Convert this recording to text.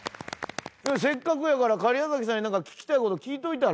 せっかくやから假屋崎さんに聞きたいこと聞いといたら？